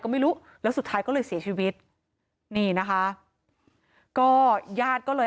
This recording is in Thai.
ก็ไม่รู้แล้วสุดท้ายก็เลยเสียชีวิตนี่นะคะก็ญาติก็เลย